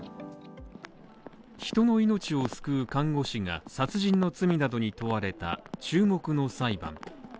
人の命を救う看護師が殺人の罪などに問われた注目の裁判。